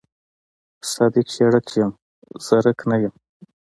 صادق ژړک یم زرک نه.